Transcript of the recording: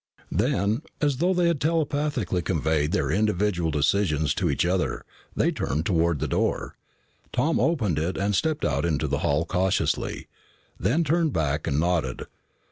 Then, as though they had telepathically conveyed their individual decisions to each other, they turned toward the door. Tom opened it and stepped out into the hall cautiously, then turned back and nodded.